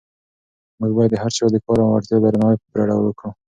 موږ باید د هر چا د کار او وړتیا درناوی په پوره ډول وکړو.